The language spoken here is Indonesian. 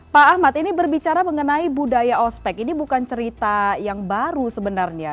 pak ahmad ini berbicara mengenai budaya ospek ini bukan cerita yang baru sebenarnya